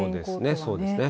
そうですね。